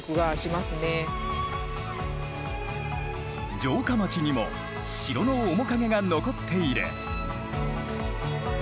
城下町にも城の面影が残っている。